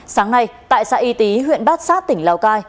sáng nay tại xã y tý huyện bát sát tỉnh lào cai